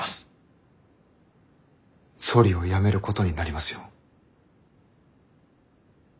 総理を辞めることになりますよ。